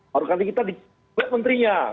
harus kali kita di cet menterinya